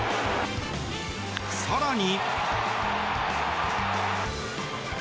更に。